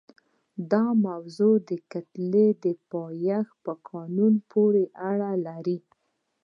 دا موضوع د کتلې د پایښت په قانون پورې اړه لري.